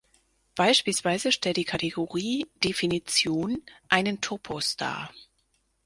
Beispielsweise stellt die Kategorie „Definition“ einen Topos dar.